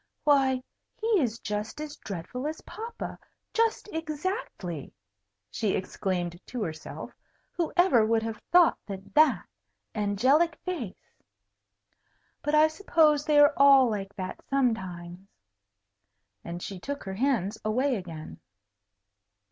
"Why, he is just as dreadful as papa, just exactly!" she exclaimed to herself. "Whoever would have thought that that angelic face but I suppose they are all like that sometimes." And she took her hands away again.